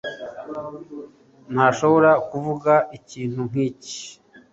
Ntashobora kuvuga ikintu nkiki